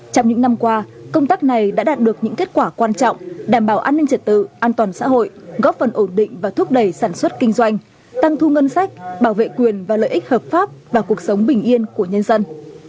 trong những năm qua công tác này đã đạt được những kết quả quan trọng đảm bảo an ninh trật tự an toàn xã hội góp phần ổn định và thúc đẩy sản xuất kinh doanh tăng thu ngân sách bảo vệ quyền và lợi ích hợp pháp và cuộc sống bình yên của nhân dân